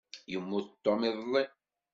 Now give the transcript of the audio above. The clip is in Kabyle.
Yemmut Tom iḍelli.